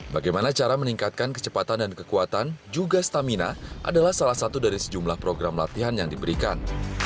bagaimana cara meningkatkan kecepatan dan kekuatan juga stamina adalah salah satu dari sejumlah program latihan yang diberikan